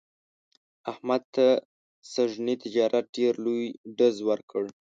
احمد ته سږني تجارت ډېر لوی ډز ور کړ.